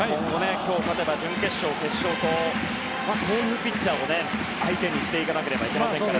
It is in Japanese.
今日勝てば、準決勝、決勝とこういうピッチャーを相手にしていかないといけませんから。